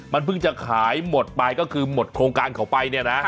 มันเพิ่งจะขายหมดไปก็คือหมดโครงการเขาไปเนี่ยนะ